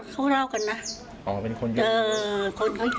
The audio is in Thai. เขาเล่ากันน่ะเป็นคนยุค